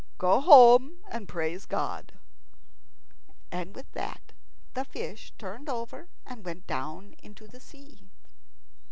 "Go home and praise God;" and with that the fish turned over and went down into the sea.